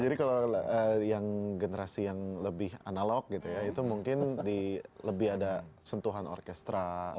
jadi kalau yang generasi yang lebih analog gitu ya itu mungkin lebih ada sentuhan orkestra